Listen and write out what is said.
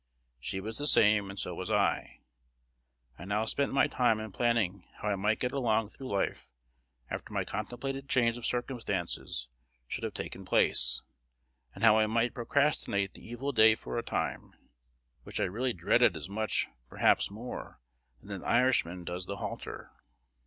She was the same, and so was I. I now spent my time in planing how I might get along through life after my contemplated change of circumstances should have taken place, and how I might procrastinate the evil day for a time, which I really dreaded as much, perhaps more, than an Irishman does the halter.